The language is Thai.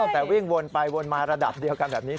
แต่วิ่งวนไปวนมาระดับเดียวกันแบบนี้